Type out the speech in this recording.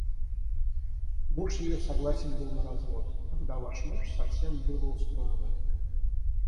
Муж ее согласен был на развод — тогда ваш муж совсем было устроил это.